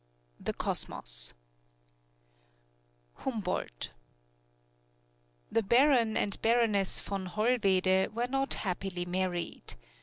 The Cosmos HUMBOLDT The Baron and Baroness von Hollwede were not happily married.